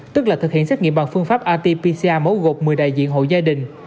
tức là thực hiện xét nghiệm bằng phương pháp rt pcr mẫu gột một mươi đại diện hộ gia đình